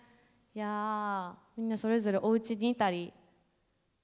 いやみんなそれぞれおうちにいたり。